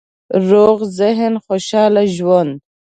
روغ ذهن، خوشحاله ژوند